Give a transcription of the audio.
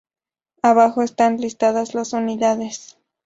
Abajo están listadas las unidades.